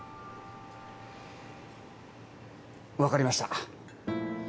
分かりました。